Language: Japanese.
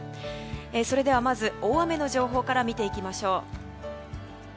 それではまず大雨の情報から見ていきましょう。